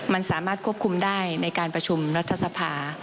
มันสามารถควบคุมได้ในการประชุมรัฐสภา